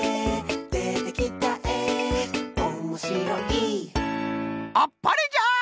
「でてきたえおもしろい」あっぱれじゃ！